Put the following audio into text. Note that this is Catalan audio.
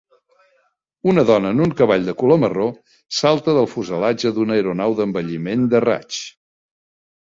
Una dona en un cavall de color marró salta del fuselatge d'una aeronau d'envelliment de raig.